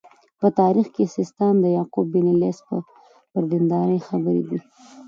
په تاریخ سیستان کې د یعقوب بن لیث پر دینداري خبرې دي.